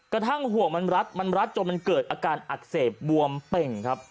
กระทั่งห่วงมันรัดมันรัดจนมันเกิดอาการอักเสบบวมเป่งครับ